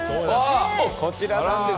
こちらなんです。